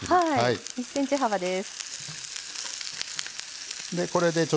１ｃｍ幅です。